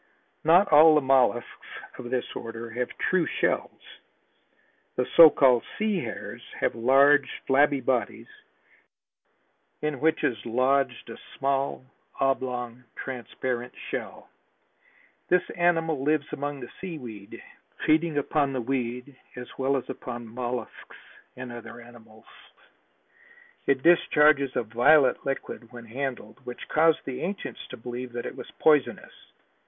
Not all the mollusks of this order have true shells. The so called sea hares, have large, flabby bodies in which is lodged a small, oblong, transparent shell. This animal lives among the sea weed, feeding upon the weed as well as upon mollusks and other animals. It discharges a violet liquid when handled which caused the ancients to believe that it was poisonous.